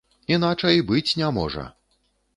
Іначай быць не можа!